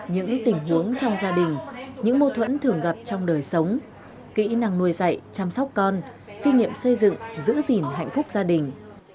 những tình huống trong gia đình những mâu thuẫn thường gặp trong đời sống kỹ năng nuôi dạy chăm sóc con kinh nghiệm xây dựng giữ gìn hạnh phúc gia đình